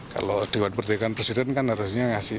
kalau dewan pertimbangan presiden kan harusnya ngasih